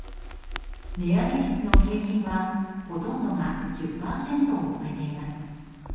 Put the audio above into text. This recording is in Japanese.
値上げ率の平均は、ほとんどが１０％を超えています。